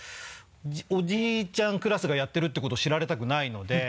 おじいちゃんクラスがやってるってことを知られたくないので。